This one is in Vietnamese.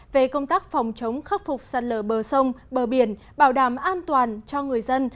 về công tác phòng chống khắc phục sạt lở bờ sông bờ biển bảo đảm an toàn cho người dân